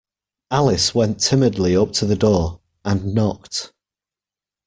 Alice went timidly up to the door, and knocked.